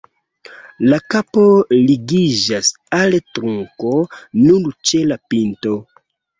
La kapo ligiĝas al trunko nur ĉe la pinto.